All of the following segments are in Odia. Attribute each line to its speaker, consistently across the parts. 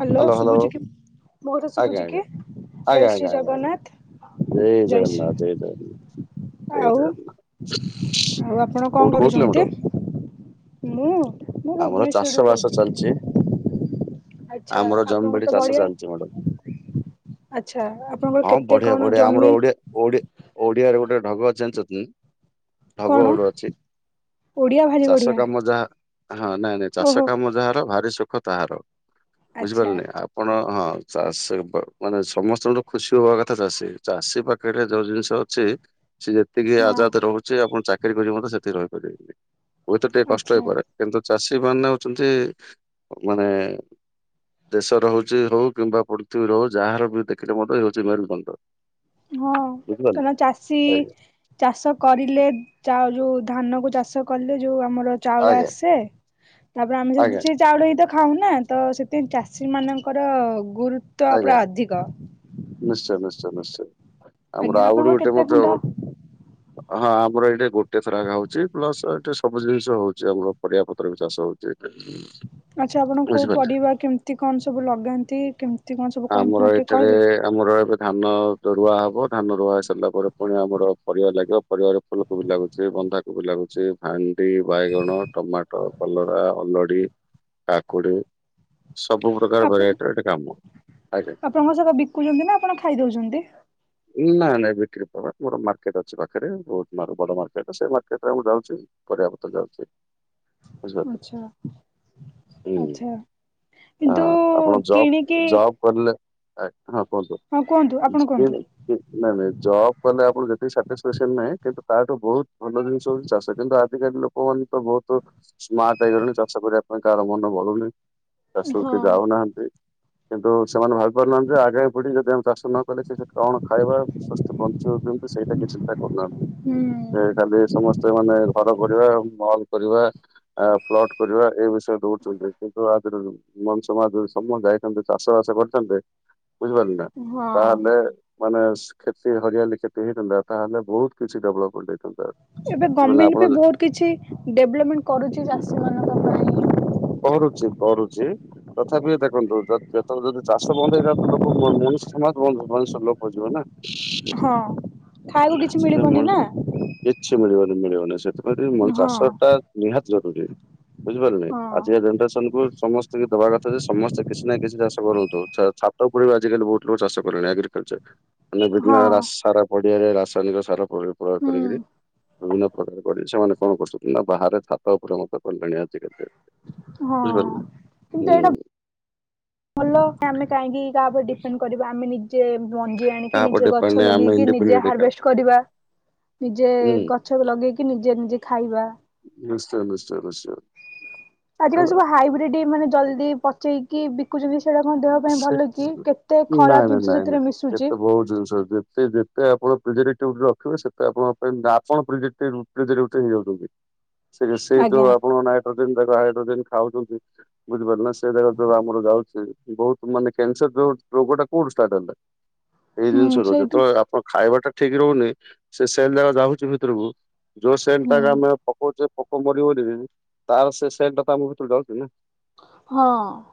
Speaker 1: ହାଲୋ
Speaker 2: ହ୍ୟାଲୋ ହ୍ୟାଲୋ
Speaker 1: ଶୁଭୁଚି କି ମୋ କଥା
Speaker 2: ଆଜ୍ଞା
Speaker 1: ଶୁଭୁଚି କି
Speaker 2: ଆଜ୍ଞା
Speaker 1: ଜୟ
Speaker 2: ଆଜ୍ଞା
Speaker 1: ଶ୍ରୀ
Speaker 2: ଆଜ୍ଞା ଆଜ୍ଞା ଆଜ୍ଞା
Speaker 1: ଜଗନ୍ନାଥ।
Speaker 2: ଜୟ ଜଗନ୍ନାଥ ଜୟ ଜଗନ୍ନାଥ। ଜୟ
Speaker 1: ଆଉ
Speaker 2: ଜଗନ୍ନାଥ।
Speaker 1: ଆଉ ଆପଣ କଣ
Speaker 2: କଉଠୁ କହୁଥିଲେ
Speaker 1: କରୁଛନ୍ତି?
Speaker 2: ମାଡାମ୍?
Speaker 1: ମୁଁ ମୁଁ ଭୁବନେଶ୍ଵର ରୁ କହୁଥିଲି।
Speaker 2: ଚାଲିଚି।
Speaker 1: ଆଚ୍ଛା
Speaker 2: ଆମର ଜମି ବାଡି ଚାଷ ଚାଲିଚି ମାଡାମ।
Speaker 1: ଆଛା ଆପଣଙ୍କର
Speaker 2: ହଁ
Speaker 1: କେତେ
Speaker 2: ବଢିଆ
Speaker 1: କଣ
Speaker 2: ବଢିଆ ଆମର
Speaker 1: ଜମି?
Speaker 2: ଓଡିଆ ଓଡିଆ ଓଡିଆରେ ଗୋଟେ ଢଗ ଚାଞ୍ଚଛନ୍ତି? ଢଗ
Speaker 1: କଣ?
Speaker 2: ଗୋଟେ ଅଛି।
Speaker 1: ଓଡିଆ ଭାରି
Speaker 2: ଚାଷ
Speaker 1: ବଢିଆ
Speaker 2: କାମ ଯାହା ହଁ ନାଇଁ ନାଇଁ। ଚାଷ
Speaker 1: ଓହୋ
Speaker 2: କାମ ଯାହାର ଭାରି ସୁଖ ତାହାର।
Speaker 1: ଆଚ୍ଛା
Speaker 2: ବୁଝିପାରିଲେନି ଆ ଆପଣ ହଁ ଚାଷ ମା ମାନେ ସମସ୍ତଙ୍କଠୁ ଖୁସି ହବା କଥା ଚାଷୀ। ଚାଷୀ ପାଖ ପାଖରେ ଯୋଉ ଜିନିଷ ଅଛି ସ ଯେ ଏତିକି
Speaker 1: ହଁ
Speaker 2: ଆଜାଦ ରହୁଚି ଆପଣ ଚାକିରି କରିକି ମଧ୍ୟ ସେତିିକି ରହିପାରିବେନି। ହୁଏତ ଟିକେ କଷ୍ଟ
Speaker 1: ଆଚ୍ଛା
Speaker 2: ହେଇପାରେ। କିନ୍ତୁ ଚାଷୀ ମାନେ ହଉଚନ୍ତି ମାନେ ଦେଶ ରହୁଚି ହଉ କିମ୍ବା ପୃଥିବୀ ରଉ ଯାହାର ବି ଦେଖିଲେ ମଧ୍ୟ ହଉଚି ମେରୁ ଦଣ୍ଡ।
Speaker 1: ହଁ ତମେ ଚାଷୀ
Speaker 2: ଆଜ୍ଞା
Speaker 1: ଚାଷ କରିଲେ ଯା ଯଉ ଧାନ କୁ ଚାଷ କଲେ ଯୋଉ ଆମର ଚାଉଡ
Speaker 2: ଆଜ୍ଞା
Speaker 1: ଆସେ। ତାପରେ ଆମେ ଯଦି
Speaker 2: ଆଜ୍ଞା
Speaker 1: ସେ ଚାଉଳ ହେ ତ ଖାଉନା, ତ ସେଥିପାଇଁ ଚାଷୀ ମାନଙ୍କର ଗୁରୁତ୍ଵ
Speaker 2: ଆଜ୍ଞା
Speaker 1: ପୁରା ଅଧିକ।
Speaker 2: ନିଶ୍ଚୟ ନିଶ୍ଚୟ ନିଶ୍ଚୟ।
Speaker 1: ଆଜ୍ଞା
Speaker 2: ଆମର ଆହୁରି
Speaker 1: ଆପଣଙ୍କର
Speaker 2: ଗୋଟେ
Speaker 1: କେତେ
Speaker 2: ମଧ୍ୟ
Speaker 1: ଖଣ୍ଡ
Speaker 2: ହଁ ଆମର ଏଇଠି ଗୋଟେ ଫରକ ହଉଚି ପ୍ଲସ ଏଠେ ସବୁ ଜିନିଷ ହଉଚି ଅଲଗା ପରିବା ପତ୍ର ବି ଚାଷ ହଉଚି ଏଟେ। ହୁଁ।
Speaker 1: ଆଚ୍ଛା ଆପଣ କୋଉ ପରିବା କେମିତି କଣ ସବୁ ଲଗାନ୍ତି କେମିତି କଣ ସବୁ
Speaker 2: ଆମର
Speaker 1: କହନ୍ତୁ ମତେ ଟିକେ
Speaker 2: ଏଠାରେ
Speaker 1: କହିବେ।
Speaker 2: ଆମର ଏବେ ଧାନ ରୁଆ ହେବ ଧାନ ରୁଆ ହୋଇ ସାରିଲା ପରେ ପୁଣି ଆମର ପରିବା ଲାଗିବ। ପରିବାର ଫୁଲକୁବି ଲାଗୁଛି ବନ୍ଧାକୁବି ଲାଗୁଛି ଭାଣ୍ଡି ବାଇଗଣ ଟମାଟୋ। କଲରା ଅଲଡି କାକୁଡି ସବୁ ପ୍ରକାର
Speaker 1: ଆପ
Speaker 2: ଭେରାଇଟିର ଏଟେ କାମ। ଆଜ୍ଞା।
Speaker 1: ଆପଣଙ୍କ ସେତା ବିକୁଛନ୍ତି ନା ଆପଣ ଖାଇଦଉଛନ୍ତି?
Speaker 2: ଁ [inaudible] ନାଁ ନାଇଁ ବିକ୍ରି ପବା ମୋର ମାର୍କେଟ ଅଛି ପାଖରେ ବହୁତ ବଡ ମାର୍କେଟ ସେ ମାର୍କେଟ ରେ ମୁଁ ଯାଉଛି। ପରିବାପତ୍ର ଯାଉଛି। ବୁଝିପାରିଲେ
Speaker 1: ଆଚ୍ଛା।
Speaker 2: ହୁଁ
Speaker 1: ଆଛା
Speaker 2: ହଁ,
Speaker 1: କିନ୍ତୁ
Speaker 2: ଆପଣ ଜବ୍
Speaker 1: କିଣିକି
Speaker 2: ଜବ୍ କରିଲେ ଆ ହଁ କୁହନ୍ତୁ
Speaker 1: ହଁ କୁହନ୍ତୁ ଆପଣ କୁହନ୍ତୁ।
Speaker 2: ନାଇ ନାଇଁ ଜବ୍ କଲେ ଆପଣ ଯେତେକି ସ୍ଫାକ୍ସନ ନାହିଁ କିନ୍ତୁ ତାହାଠୁ ବହୁତ ଭଲ ଜିନିଷ ହଉଛି ଚାଷ କିନ୍ତୁ ଆଜିକାଲି ଲୋକ ଲୋକ ମାନ ତ ବହୁତ ସ୍ମାର୍ଟ ହେଇଗଲେଣି ଚାଷ କରିବା ପାଇଁ କାହାର ମନ ବଳୁନି। ଚାଷକୁ
Speaker 1: ହଁ।
Speaker 2: କିଏ ଯାଉନାହାନ୍ତି। କିନ୍ତୁ ସେମାନେ ଭାବି ପାରୁନାହାନ୍ତି ଆଗାମୀ ପିଢି ଯଦି ଆମେ ଚାଷ ନ କଲେ ସେ କଣ ଖାଇବା ସୁସ୍ଥ ବଞ୍ଚ କିନ୍ତୁ ସେଇଟା କିଏ ଚିନ୍ତା କରୁନାହାନ୍ତି।
Speaker 1: ହୁଁ।
Speaker 2: ସେ ଖାଲି ସମସ୍ତେ ମାନେ ଘର କରିବା ମଲ କରିବା ପ୍ଲଟ କରିବା ଏ ବିଷୟରେ ଦଉଛନ୍ତି କିନ୍ତୁ ଆଜି ମଞ୍ଚ [unintelligible] ସମାୟ ଚାଷ ବାସ କରିଛନ୍ତି ବୁଝିପାରେ ନା
Speaker 1: ହଁ।
Speaker 2: ତାହେଲେ ମାନେ କ୍ଷତି ହରିଆଲି କ୍ଷତି ହେଇଥାନ୍ତା ତାହେଲେ ବହୁତ କିଛି ଡେ଼ଭଲପମେଣ୍ଟ ହେଇଥାନ୍ତା।
Speaker 1: ଏବେ
Speaker 2: ବୁଝିପାରିଲେ
Speaker 1: ଗଭର୍ଣମେଣ୍ଟ
Speaker 2: ଆପଣ
Speaker 1: ବି
Speaker 2: ଯ-
Speaker 1: ବହୁତ କିଛି ଡେଭଲପମେଣ୍ଟ କରୁଛି, ଚାଷୀ ମାନଙ୍କ ପାଇଁ।
Speaker 2: କରୁଚି, କରୁଚି। ତଥାପି ଦେଖନ୍ତୁ ଯଦି ଚାଷ ବନ୍ଦ ହେଇଥାନ୍ତା ଲ ମଣିଷ ସମାଜ ବନ୍ଦ ମନୁଷ୍ଯ ଲୋପହୋଇ ଯିବ ନା‌।
Speaker 1: ହଁ ଖାଇବାକୁ କିଛି
Speaker 2: ସେଥିପାଇଁ
Speaker 1: ମିଳିବନି
Speaker 2: ମଣିଷ
Speaker 1: ନା।
Speaker 2: କିଛି ମିଳିବନି ମିଳିବନି ସେଥିପାଇଁ ଚାଷ ଟା
Speaker 1: ହଁ
Speaker 2: ନିହାତି ଜରୁରୀ ବୁଝିପାରିଲେ।
Speaker 1: ହଁ
Speaker 2: ଆଜି ଏ ଜେନେରେସନ କୁ ସମସ୍ତେ ଦେବା କଥା ଯେ ସମସ୍ତେ କିଛି ନା କିଛି ଚାଷ କରନ୍ତୁ ଛାତ ଉପରେ ବି ଆଜିକାଲି ବହୁତ ଲୋକ ଚାଷ କଲେଣି, ଆଗ୍ରିକଲଚର ମାନେ
Speaker 1: ହଁ
Speaker 2: ବିଭିନ୍ନ ସାର ପଡି଼ଆରେ ରାସାୟନିକ ସାର ପ୍ରୟୋଗ
Speaker 1: ହୁଁ
Speaker 2: କରିକିରି। ବିଭିନ୍ନ ପ୍ରକାର ପଡି଼ ସେମାନେ କଣ କରୁଛନ୍ତି ନା ବାହାରେ ଛାତ ଉପରେ ମତେ କଲେଣି ଆଜିିକାଲି।
Speaker 1: ହଁ କିନ୍ତୁ ଏଇଟା ଭଲ ଆମେ କାହିଁକି କାହା ଉପରେ ଡି଼ପେଣ୍ଡ କରିବା ଆମେ ନିଜେ ମଞ୍ଜି ଆଣିକି
Speaker 2: କାହାପ
Speaker 1: ନିଜେ
Speaker 2: ଡିପେଣ୍ଡ
Speaker 1: ଗଛ
Speaker 2: ନାହିଁ ଆମେ
Speaker 1: ଲଗେଇକି ନିଜେ
Speaker 2: ଇଣ୍ଡିପେଣ୍ଡେଣ୍ଟ ଏକା
Speaker 1: ହାରଭେଷ୍ଟ କରିବା, ନିଜେ
Speaker 2: ହୁଁ
Speaker 1: ଗ ଗଛ ଲଗେଇକି ନିଜେ ନିଜେ ଖାଇବା।
Speaker 2: ନିଶ୍ଚୟ ନିଶ୍ଚୟ ନିଶ୍ଚୟ।
Speaker 1: ଆଜିକାଲି
Speaker 2: ହେଲା
Speaker 1: ସବୁ ହାଇବ୍ରିଡ଼୍ ମାନେ ଜଲଦି ଯକି ବିକୁଛନ୍ତି ସେଇଟା କଣ ଦେହ ପାଇଁ
Speaker 2: ସେ
Speaker 1: ଭଲ କି? କେତେ
Speaker 2: ନାଇଁ
Speaker 1: ଖରାପ
Speaker 2: ନାଇଁ
Speaker 1: ଜିନିଷ
Speaker 2: ନାଇଁ ନାଇଁ।
Speaker 1: ସେଥିରେ ମିଶୁଛି।
Speaker 2: କେତେ ବହୁତ ଜିନିଷ ଯେତେ ଯେତେ ପଣ ରେତେ ଆପଣଙ୍କ ପାଇଁ ଆପଣ [unintelligible] ହେଇଯାଉଛନ୍ତି। ସେ ସେ ଯୋଉ
Speaker 1: ଆଜ୍ଞା
Speaker 2: ଆପଣ ନାଇଟ୍ରୋଜେନ ଦେଖ ହାଇଡ୍ରୋ଼ଜେନ ଖାଉଛନ୍ତି। ବୁଝିପାରୁିଲ ନା ସେ ଜାଗା ତ ଆମର ଗାଉ ବହୁତ ମାନେ କ୍ୟାନସର ରୋଗ ଟା କୋଉଠୁ ଷ୍ଟାର୍ଟ ହେଲା? ଏଇ
Speaker 1: ହୁଁ
Speaker 2: ଜିନିଷ ର
Speaker 1: ସେଇଠୁ
Speaker 2: ଯେତେବେଳେ ଆପଣ ଖାଇବା ଟା ଠିକ ରହୁନି ସେ ସେଲ ଯାଗା ଯାଉଛି ଭିତରକୁ ଯୋଉ ସେଟ
Speaker 1: ହୁଁ।
Speaker 2: ଟା ଆମେ ପକଉଛେ ପୋକ ମରିବାରିବ ତାର ସେ ସେଟ୍ ଟା ତମ ଭିତରୁ ଯଡାଉଛି ନା?
Speaker 1: ହଁ।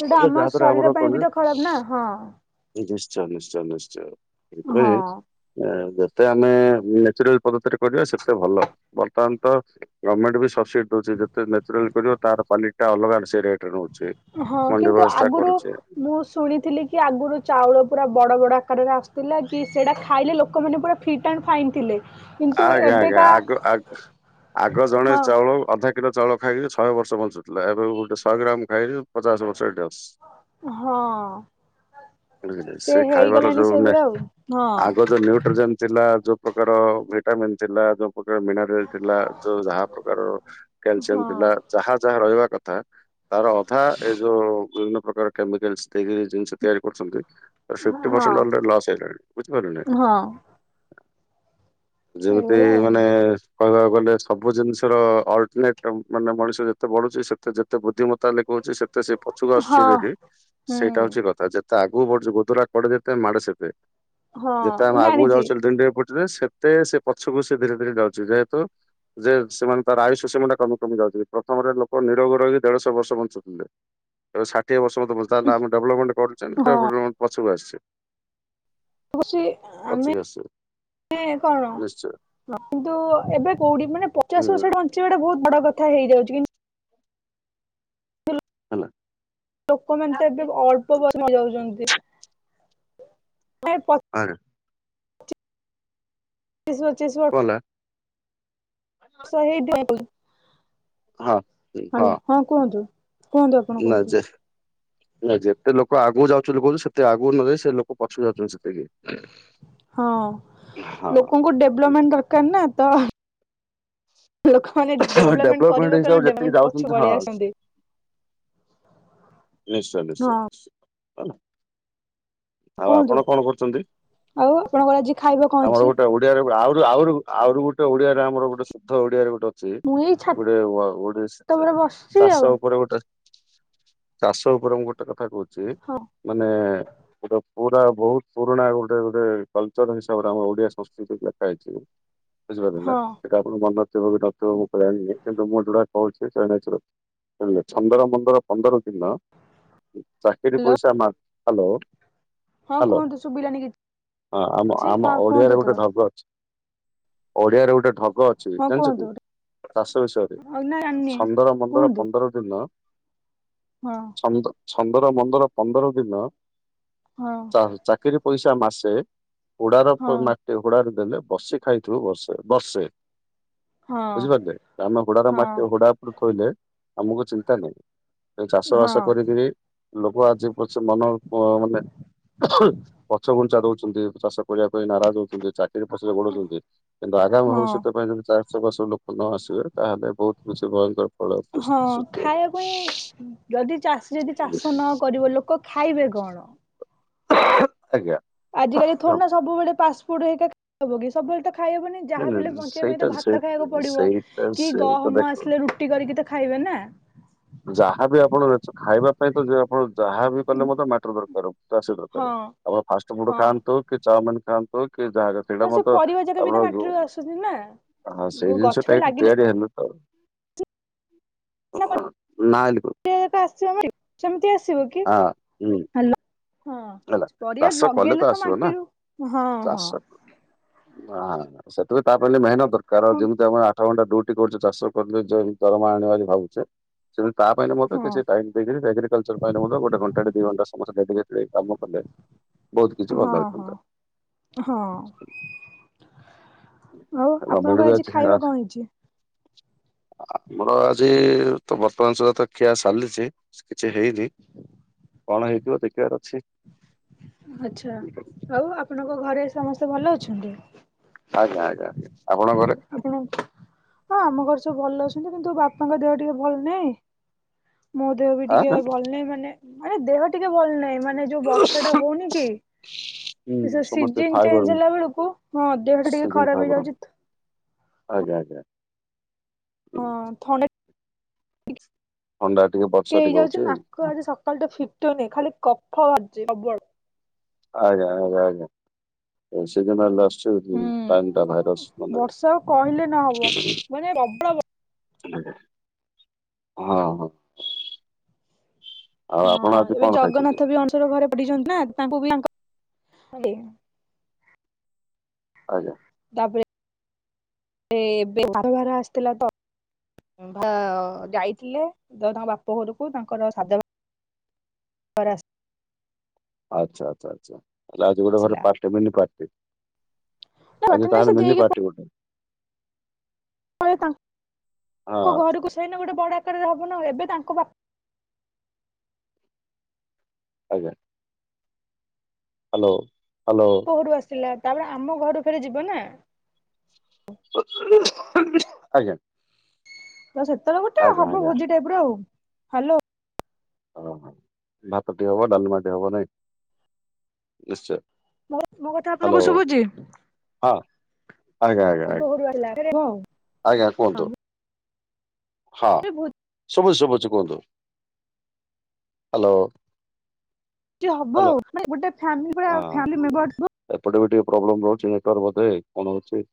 Speaker 1: ସେଇଟା ଆମ
Speaker 2: ଯାହା ଦ୍ଵାରା ଆମର
Speaker 1: ଶରୀର ପାଇଁ
Speaker 2: କଣ
Speaker 1: ବି ତ ଖରାପ ନା ହଁ।
Speaker 2: ନିଶ୍ଚୟ ନିଶ୍ଚୟ ନିଶ୍ଚୟ
Speaker 1: ହଁ।
Speaker 2: [inaudible] ଯେତେ ଆମେ ନେଚୁରାଲ ପଦ୍ଧତିରେ କରିବା ସେତେ ଭଲ ବର୍ତ୍ତମାନ ତ ଗଭର୍ଣ୍ଣମଣ୍ଟ ସବସିଡି଼ ଦଉଛି ଯେତେ ନେଚୁରାଲିବ ତାର ପାଲିଟା ଅଲଗା ସେ ରେଟ୍ ରେ ନଉଛି।
Speaker 1: ହଁ
Speaker 2: ମଣ୍ଡି
Speaker 1: କିନ୍ତୁ,
Speaker 2: ବ୍ୟବସ୍ଥା
Speaker 1: ଆଗରୁ
Speaker 2: କରୁଛେ
Speaker 1: ମୁଁ ଶୁଣିଥିଲି କି କି ଆଗରୁ ଚାଉଳ ପୁରା ବଡ଼ ବଡ଼ ଆକାରରେ ଆସୁଥିଲା, କି ସେଇଟା ଖାଇଲେ ଲୋକମାନେ ପୁରା ଫିଟ୍ ଆଣ୍ଡ ଫାଇନ୍ ଥିଲେ। କିନ୍ତୁ
Speaker 2: ଆଜ୍ଞା ଆଜ୍ଞା
Speaker 1: ଏବେକା
Speaker 2: ଆଗ ଆଗ ଜଣେ
Speaker 1: ହଁ
Speaker 2: ଚାଉଳ ଅଧା କିଲୋ ଚାଉଳ ଖାଇକି ଶହେ ବର୍ଷ ବଞ୍ଚୁଥିଲା। ଏବେ ଗୋଟେ ଶହେ ଗ୍ରାମ ଖାଇକି ପଚାଶ ବର୍ଷ
Speaker 1: ହଁ।
Speaker 2: ସେ ଖାଇବାର
Speaker 1: ହେଇଗଲାଣି
Speaker 2: ଯୋଉ
Speaker 1: ସେଇଭଳିଆ ଆଉ
Speaker 2: ଆଗ ଯୋଉ‌‌ ନିଉଟ୍ରିଜେନ୍ ଥିଲା ଯୋଉ ପ୍ରକାର ଭିଟାମିନ୍ ଥିଲା ଯୋଉ ପ୍ରକାର‌ ମି ଯାହା ପ୍ରକାରର
Speaker 1: ହଁ
Speaker 2: କ୍ୟାଲସିୟମ ଥିଲା। ଯାହା ଯାହା ରହିବା କଥା ତାର ଅଧା ଏ ଯୋଉ ବିଭିନ୍ନ ପ୍ରକାର କେମିକାଲସ୍ ଦେଇକରି ଜିନିଷ ତିଆରି କରୁଛନ୍ତି, ତାର ଫିଫଟି
Speaker 1: ହଁ।
Speaker 2: ପରସେଣ୍ଟ‌ ଅଲ୍‌‌ ଲସ୍ ହେଇଗଲାଣି ବୁଝିପାରୁଛନ୍ତି?
Speaker 1: ହଁ ହଁ
Speaker 2: ଯେମିତି
Speaker 1: ଏଇଭଳିଆ ଆଉ
Speaker 2: ମାନେ କହିବାକୁ ଗଲେ ସବୁ ଜିନିଷ ର ଅଲନେଟ ମାନେ ମଣିଷ ଯେତେ ବଢ଼ୁଛି ସେତେ ଯେ [inaudible] ବୁଦ୍ଧିମତା ଲଖହୁଉଛି, ସେତେ ସେ ପ
Speaker 1: ହଁ
Speaker 2: ଆସୁଠି
Speaker 1: ହୁଁ
Speaker 2: ସେଇଟା ହଉଛି କଥା ଯେତେ ଆଗକୁ ବଢୁ଼ ଗୋଦରା କଡେ଼ ଯେତେ ମାଡେ଼ ସେତେ!
Speaker 1: ହଁ
Speaker 2: ଯେତେ ଆମେ
Speaker 1: ମୁଁ
Speaker 2: ଆଗକୁ
Speaker 1: ଜାଣିଛି
Speaker 2: ଯାଉଛ ଣ୍ଡିଆ ପଟିରେ ସେତେ ସେ ପଛକୁ ସେ ଧୀରେ ଧୀରେ ଯାଉଛି ଯେହେତୁ! ଯେ ସେମାନେ ତାର ଆୟୁଷ ସୀମା ଟା କମି କମି ଯାଉଛନ୍ତି ପ୍ରଥମରେ ଲୋକ ନିରୋଗ ରହିକି ଦେଢ଼ଶହ ବର୍ଷ ବଞ୍ଚୁଥିଲେ। ଏ ଷାଠିଏ ବର୍ଷ ମତ ବ ତାହେଲେ ଆମ ଡେଲପମେଣ୍ଟ କରୁଛ
Speaker 1: ହଁ
Speaker 2: ଡେଭଲପମେଣ୍ଟ ପଛକୁ ଆସିଚେ?
Speaker 1: [inaudible] ଆମେ? କଣ
Speaker 2: ନିଶ୍ଚୟ
Speaker 1: କିନ୍ତୁ ଏବେ କୋଉଠି ମାନେ ପଚାଶ
Speaker 2: ହୁଁ
Speaker 1: ବର୍ଷ ଟା ବହୁତ ବଡ଼ କଥା ହେଇଯାଉଛି କିନ୍ତୁ
Speaker 2: ହେଲ।।
Speaker 1: ଲୋକମାନେ ତ ଏବେ ଅଳ୍ପ ବୟସ ମରିଯାଉଛନ୍ତି, ନାଇଁ ପ
Speaker 2: ଆରେ
Speaker 1: ଚବିଶ ପଚିଶ ବ
Speaker 2: କଲା
Speaker 1: [inaudible]
Speaker 2: ହଁ ଏଇ ହଁ।
Speaker 1: ହାଲୋ ହଁ କୁହନ୍ତୁ। କୁହନ୍ତୁ ଆପଣ କୁହନ୍ତୁ।
Speaker 2: ନଯେ ନାଇଁ ଯେତେ ଲୋକ ଆଗକୁ ଯାଉଛନ୍ତି କହୁଛୁ ସେତେ ଆଗକୁ ନ ଯ ସେ ଲୋକ ପଛ ଯାଉଛନ୍ତି ସେତିକି।
Speaker 1: ହଁ ଲୋକଙ୍କୁ ଡେଭ୍ଲପ୍ମେଣ୍ଟ ଦରକାର ନା ତ ଲୋକମାନେ
Speaker 2: ହଁ
Speaker 1: କରିବା
Speaker 2: ଡେଭଲପମେଣ୍ଟ
Speaker 1: କାରଣ
Speaker 2: ହିସାବରେ ଯେତିକି
Speaker 1: ଡେଭଲପମେଣ୍ଟ ପଛକୁ
Speaker 2: ଯାଉଛନ୍ତି ହଁ।
Speaker 1: ପଳେଇ ଆସନ୍ତି।
Speaker 2: ନିଶ୍ଚୟ, ନିଶ୍ଚୟ
Speaker 1: ହଁ
Speaker 2: ନିଶ୍ଚିଚ ହେଲା। ଆଉ
Speaker 1: କୁହନ୍ତୁ
Speaker 2: ଆପଣ କଣ କରୁଛନ୍ତି?
Speaker 1: ଆଉ ଆପଣଙ୍କର ଆଜି ଖାଇବା କଣ
Speaker 2: ଆମର
Speaker 1: ହେଇଛି?
Speaker 2: ଗୋଟେ ଓ ଓଡିଆରେ ଆଉରୁ ଆଉରୁ ଆଉରୁ ଗୋଟେ ଓଡିଆରେ ଆମର ଗୋଟେ ଶୁଦ୍ଧ ଓଡିଆରେ ଗୋଟେ ଅଛି
Speaker 1: ମୁଁ ଏଇ ଛାତ
Speaker 2: ଗୋଟେ ଗୋଟେ
Speaker 1: ଉପରେ ବସିଛି ଆଉ
Speaker 2: ଚାଷ ଉପରେ ଗୋଟେ ଚାଷ ଉପରେ ମୁଁ ଗୋଟେ କଥା କହୁଛି
Speaker 1: ହଁ।
Speaker 2: ମାନେ ଗୋଟେ ପୁରା ବହୁତ ପୁରୁଣା ଗୋଟେ ଗୋଟେ କଲଚର ହିସାବରେ ଆମ ଓଡିଆ ସଂସ୍କୃତି ଲେଖା ହେଇଛି। ବୁଝିପାରିଲେ ନା?
Speaker 1: ହଁ।
Speaker 2: ଆପଣଙ୍କ ମନ ଥିବ କି ନଥିବ ମୁଁ ତ କାଣିନି? କିନ୍ତୁ ମୁଁ ଯଉଟା କହୁଛି ସେଟା ନେଚୁରାଲ୍। ହେଲେ ଛନ୍ଦର ମନ୍ଦର ପନ୍ଦର ଦିନ [inaudible] ଚାକିରି
Speaker 1: ହାଲୋ
Speaker 2: ପଇସା ମା [inaudible] ହାଲୋ।
Speaker 1: ହଁ
Speaker 2: ହାଲୋ
Speaker 1: କୁହନ୍ତୁ ଶୁଭିଲାନି
Speaker 2: [inaudible] ହଁ ଆମ
Speaker 1: କିଛି
Speaker 2: ଆମ
Speaker 1: ହଁ କୁହନ୍ତୁ
Speaker 2: ଓଡିଆରେ
Speaker 1: ଏଥର
Speaker 2: ଗୋଟେ ଢଗ ଅଛି। ଓଡିଆରେ ଗୋଟେ ଢଗ ଅଛି।
Speaker 1: ହଁ
Speaker 2: ଜାଣିଛୁ କି?
Speaker 1: କୁହନ୍ତୁ।
Speaker 2: [inaudible] ଚାଷ ବିଷୟରେ
Speaker 1: ଆଉ ନା
Speaker 2: [inaudible]
Speaker 1: ଜାଣିନି।
Speaker 2: ଛନ୍ଦର ପନ୍ଦର
Speaker 1: କୁହନ୍ତୁ।
Speaker 2: ପନ୍ଦର ଦିନ
Speaker 1: ହଁ।
Speaker 2: ଛନ୍ଦ ଛନ୍ଦର ମନ୍ଦର ପନ୍ଦର ଦିନ
Speaker 1: ହଁ।
Speaker 2: ଚା ଚାକିରି ପଇସା ମାସେ [inaudible] ଉଡାର
Speaker 1: ହଁ
Speaker 2: ପ ମାନେ ସେ ହୁଡ଼ାରେ ଦେଲେ ବସି ଖାଇଥିବୁ ବର୍ଷେ ବର୍ଷେ।
Speaker 1: ହଁ
Speaker 2: ବୁଝିପାରିଲେ ଧାନ ଘୋଡାର ମାଟି ଘୋଡା ଉପରୁ ଥୋଇଲେ ଆମକୁ ଚିନ୍ତା ନାହିଁ। ଏ ଚାଷ
Speaker 1: ହଁ
Speaker 2: ବାସ କରିକିରି [inaudible] ଲୋକ ଆଜି ପଛେ ମନ [inaudible] ମାନେ ପଛ ଘୁଞ୍ଚା ଦଉଛନ୍ତି। ଚାଷ କରିବା ପାଇଁ ନାରାଜ ହଉଛନ୍ତି। ଚାକିରି ପଛରେ ଗୋଡ଼ଉଛନ୍ତି। କିନ୍ତୁ ଆଗାମୀ
Speaker 1: ହଁ।
Speaker 2: ଭବିଷ୍ୟତ ପାଇଁ ଯଦି ଚାଷ ବାସକୁ ଲୋକ ନ ଆସିବେ ତାହେଲେ ବହୁତ କିଛି ଭୟଙ୍କର
Speaker 1: ହଁ ଖାଇବାକୁ
Speaker 2: [unintelligible]
Speaker 1: ହିଁ ଯଦି ଚାଷୀ ଯଦି ଚାଷ ନ କରିବ। ଲୋକ ଖାଇବେ କଣ?
Speaker 2: ହୁ ଆଜ୍ଞା!।
Speaker 1: ଆଜିକାଲି ଥୋଡ଼ି
Speaker 2: ହଁ
Speaker 1: ନା ସବୁବେଳେ ପାସ୍ଫୁଡ ହେଇକି [inaudible] ଖାଇହବ କି? ସବୁବେଳେ ତ ଖାଇହବନି?
Speaker 2: ନାଇଁ
Speaker 1: ଯାହାବିହେଲେ
Speaker 2: ନାଇଁ
Speaker 1: ବଞ୍ଚିବା ପାଇଁ
Speaker 2: ସେଇଟା
Speaker 1: ତ
Speaker 2: ସେ
Speaker 1: ଭାତ ଖାଇବାକୁ ପଡିବ
Speaker 2: ସେଇଟା
Speaker 1: [inaudible] କି
Speaker 2: ସେଇଟା ଦେଖ
Speaker 1: ଗହମ ଆସିଲେ ରୁ ରୁଟି କରିକି ତ ଖାଇବେ ନା?
Speaker 2: ଯାହାବି ଆପଣ ଜିନିଷ ଖାଇବା ପାଇଁ ତ ଯିଏ ଆପଣ ଯାହାବି କହିଲେ ମତେ ମାଟର ଦରକାର ଚାଷ
Speaker 1: ହଁ।
Speaker 2: ଦରକାର। [inaudible] ଆପଣ ଫାଷ୍ଟ ଫୁଡ
Speaker 1: ହଁ
Speaker 2: ଖାଆନ୍ତୁ କି ଚାଓମିନ୍ ଖାଆନ୍ତୁ କି ଯାହା ଯେ ସେଇଟା
Speaker 1: ହଁ ସେ
Speaker 2: ମତ
Speaker 1: ପରିବା
Speaker 2: [inaudible]
Speaker 1: ଯାକ ବି ତ
Speaker 2: ଆପଣଙ୍କ ଯୋଉ
Speaker 1: ମାଟିରୁ ଆସୁଛି ନା।
Speaker 2: [inaudible] ହଁ ସେଇ
Speaker 1: ଗୋଟେ
Speaker 2: ଜିନିଷ
Speaker 1: ଗଛଟା
Speaker 2: କାହିଁକି
Speaker 1: ଲାଗିଲେ
Speaker 2: ତିଆରି ହେଲା ହଁ। [inaudible] ହଁ। ନାଲିକୁ
Speaker 1: ସେ ଏ କା ଆସିବ ମାଇ ସେମିତି ଆସିବୁ।
Speaker 2: ହଁ। ଉଁ।
Speaker 1: ହଁ। [inaudible] ପରିବା
Speaker 2: କଲେ
Speaker 1: ଲଗେଇଲେ ତ ମାଟିରୁ [inaudible] ହଁ। ହଁ।
Speaker 2: ହାଁ ସେତକ ତାପାଇଁ ତ ମେନ ଦରକାର
Speaker 1: ହଁ
Speaker 2: ଯେଉଁ କାମ ଆଉ ଆଠ ଘଣ୍ଟା ଡିୟୁଟି କରୁଛେ। ଚାଷ କରିଲେ ଯେଇ ଦରମା ଆଣିବ ବୋଲି ଭାବୁଛେ। [inaudible] ସେ ତା ପାଇଁ ମତେ କିଛି
Speaker 1: ହଁ
Speaker 2: ଟାଇମ୍ ଏଗ୍ରି ଏଗ୍ରିକଲଚର ପାଇଁର ଗୋଟେ ଘଣ୍ଟା ଦି ଘଣ୍ଟା ସମସ୍ତେ ଡେଫିନେଟ୍ଲି କାମ କଲେ ବହୁତ କିଛି ଭଲ
Speaker 1: ହଁ ହଁ। ହଁ ଆଉ
Speaker 2: ହେଇଥାନ୍ତା। ଆ
Speaker 1: ଆପଣଙ୍କର
Speaker 2: ନମିଳିବା
Speaker 1: ଆଜି
Speaker 2: ଚେହେରା
Speaker 1: ଖାଇବା
Speaker 2: ଅଛି।
Speaker 1: କଣ ହେଇଛି?
Speaker 2: ଆମର ଆଜି ତ ବର୍ତ୍ତମାନ ସୁଦ୍ଧା ତ ଖିଆ ସାଲିଛି କିଛି ହେଇନି। କଣ ହେଇଥିବ ଦେଖିବାର ଅଛି?
Speaker 1: ଆଛା! ଆଉ ଆପଣଙ୍କ ଘରେ ସମସ୍ତେ ଭଲ ଅଛନ୍ତି?
Speaker 2: ଆଜ୍ଞା! ଆଜ୍ଞା! [inaudible] ଆପଣଙ୍କ ଘରେ?
Speaker 1: ଆପଣ ହଁ ଆମ ଘରେ ସବୁ ଭଲ ଅଛନ୍ତି। କିନ୍ତୁ ବାପାଙ୍କ ଦେହ ଟିକେ ଭଲ ନାହିଁ। ମୋ ଦେହ ବି
Speaker 2: ଆଁ
Speaker 1: ଟିକେ ଭଲ ନାହିଁ ମାନେ ମାନେ ଦେହ ଟିକେ ଭଲ ନାହିଁ ମାନେ ଯୋଉ
Speaker 2: ହୁଁ
Speaker 1: ବର୍ଷା ଟା ହଉନି କି? ସେ
Speaker 2: ସମସ୍ତେ
Speaker 1: ସିଜିନ
Speaker 2: ଫାଇବର
Speaker 1: ଚେଞ୍ଜ ହେଲା ବେଳକୁ ହଁ ଦେହ ଟା ଟିକେ
Speaker 2: ସିଜିନ
Speaker 1: ଖରାପ
Speaker 2: ଫାଇବର
Speaker 1: ହେଇଯାଉଛି ତ
Speaker 2: ଆଜ୍ଞା! ଆଜ୍ଞା!। ହୁଁ,
Speaker 1: ହଁ ଥଣ୍ଡା [inaudible] ଟି
Speaker 2: ଥଣ୍ଡା ଟିକେ
Speaker 1: [inaudible] କେ
Speaker 2: ବର୍ଷା ଟିକେ
Speaker 1: ହେଇଯାଉଛି
Speaker 2: ହଉଛି
Speaker 1: ନାକ ଆଜି ସକାଳଠୁ ଫି ଫିଟୁନି ଖାଲି କଫ ବାହାରୁଚି ସବୁଆଡୁ।
Speaker 2: ଆଜ୍ଞା! ଆଜ୍ଞା! ଆଜ୍ଞା! [inaudible] ସେଦିନ ଲସ୍
Speaker 1: ହୁଁ
Speaker 2: ଟାଇମଟା ଭାଇରସ ମାନେ
Speaker 1: ବର୍ଷା ଆଉ କହିଲେ ନହବ ମାନେ ପ୍ରବଳ
Speaker 2: ହଁ ହଁ। ଆଉ ଆପଣ
Speaker 1: ହଁ
Speaker 2: ଆଜି
Speaker 1: ଏବେ
Speaker 2: କଣ ଖାଇଛନ୍ତି
Speaker 1: ଜଗନ୍ନାଥ ବି ଅଣସର ଘରେ ପଡିଛନ୍ତି ନା ତାଙ୍କୁ ବି ଆଙ୍କ
Speaker 2: ଆଜ୍ଞା।
Speaker 1: ତାପରେ ଏବେ ଶାଦଭାର ଆସିଥିଲା ତ। ଭା ଯାଇଥିଲେ ତ ତାଙ୍କ ବାପ ଘରକୁ ତାଙ୍କର ସାଧଭାର ବାର [inaudible]
Speaker 2: ଆଚ୍ଛା ଆଚ୍ଛା ଆଚ୍ଛା ଆଜି ଗୋଟେ ଘରେ
Speaker 1: ଆସିଥିଲା
Speaker 2: ପାର୍ଟ ମି ପାଟି।
Speaker 1: ନା ବାଟରେ
Speaker 2: ଆଜି
Speaker 1: ନାଇଁ ସେ
Speaker 2: ତାହେଲେ ମିନି
Speaker 1: ଦେଇକି
Speaker 2: ପାର୍ଟି ଗୋଟେ।
Speaker 1: କହ
Speaker 2: ହଁ
Speaker 1: ତାଙ୍କ ଘରକୁ ସେଇନା ଗୋଟେ ବଡ ଆକାରରେ ହବନା ଏବେ ତାଙ୍କ ବାପା
Speaker 2: ଆଜ୍ଞା। Hello hello.
Speaker 1: ତାଙ୍କ ଘରୁ ଆସିଲା ତାପରେ ଆମ ଘରୁ ଫେରେ ଯିବ ନା।
Speaker 2: ଆଜ୍ଞା।
Speaker 1: ସେତେବେଳେ ଗୋଟେ
Speaker 2: ଆଜ୍ଞା
Speaker 1: ହବ
Speaker 2: ଆଜ୍ଞା
Speaker 1: ଭୋଜି ଟାଇପ ର ଆଉ ହାଲୋ।
Speaker 2: ଓହୋ ଭାତଟି ହବ ଡାଲମାଟି ହବ ନାଇଁ ନିଶ୍ଚୟ।
Speaker 1: ମୋ କଥା ଆପଣଙ୍କୁ
Speaker 2: ହ୍ୟାଲୋ
Speaker 1: ଶୁଭୁଛି?
Speaker 2: ହଁ ଆଜ୍ଞା ଆଜ୍ଞା ଆଜ୍ଞା ଆଜ୍ଞା କୁହନ୍ତୁ ହଁ?
Speaker 1: ଭୋଜି
Speaker 2: ଶୁଭୁ ଶୁଭୁଛି କୁହନ୍ତୁ ହ୍ୟାଲୋ।
Speaker 1: ଏମିତି ହବ
Speaker 2: ହ୍ୟାଲୋ
Speaker 1: ଆଉ ମାନେ ଗୋଟେ ଫାମିଲ ପୁରା
Speaker 2: ହଁ
Speaker 1: ଫାମିଲି ମେମ୍ବର ଥିବ
Speaker 2: ଏପଟେ ବି ଟିକେ ପ୍ରୋବ୍ଲେମ ରହୁଛି ନେଟୱାର୍କବୋଧେ କଣ ହଉଛି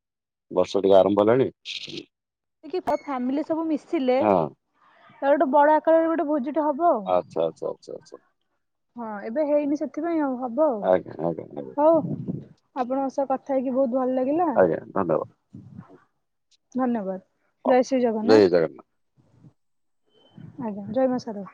Speaker 2: ବର୍ଷା ଟିକେ ଆରମ୍ଭ ହେଲାଣି।
Speaker 1: ଏତିକି ଫ୍ୟାମିଲି ସବୁ ମିଶିଲେ
Speaker 2: ହଁ
Speaker 1: ତାର ଗୋଟେ ବଡ ଆକାରରେ ଗୋଟେ ଭୋଜିଟେ ହବ ଆଉ।
Speaker 2: ଆଚ୍ଛା ଆଚ୍ଛା ଆଚ୍ଛାଆଛା।
Speaker 1: ହଁ ଏବେ ହେଇନି ସେଥିପାଇଁ ଆଉ ହବ ଆଉ
Speaker 2: ଆଜ୍ଞା ଆଜ୍ଞା ଆଜ୍ଞା
Speaker 1: ହଉ ଆପଣଙ୍କ ସହ କଥା କଥା ହେଇକି ବହୁତ ଭଲ ଲାଗିଲା।
Speaker 2: ଆଜ୍ଞା ଧନ୍ୟବାଦ
Speaker 1: ଧନ୍ୟବାଦ
Speaker 2: ହଉ
Speaker 1: ଜୟ ଶ୍ରୀ ଜଗନ୍ନାଥ। ଆଜ୍ଞା ଜୟ ମା ଶାରଳା।